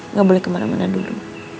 nggak boleh kemana mana dulu